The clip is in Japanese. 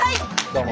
どうも。